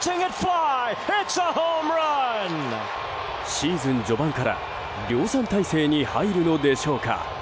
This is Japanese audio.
シーズン序盤から量産態勢に入るのでしょうか。